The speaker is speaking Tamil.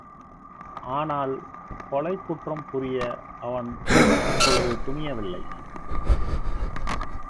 ஆனால், கொலைக் குற்றம் புரிய அவன் அப்பொழுது துணியவில்லை.